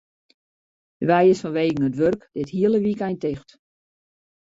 De wei is fanwegen it wurk dit hiele wykein ticht.